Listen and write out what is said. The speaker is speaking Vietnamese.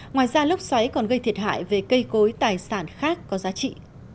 ngoài ra lốc xoáy còn gây thiệt hại về cây cối tài sản khác có giá trị